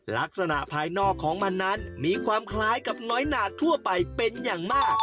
ภายนอกของมันนั้นมีความคล้ายกับน้อยหนาดทั่วไปเป็นอย่างมาก